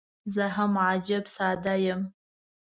زه هم عجيب ساده یم.